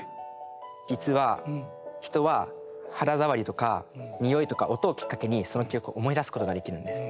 実は人は肌触りとか匂いとか音をきっかけにその記憶を思い出すことができるんです。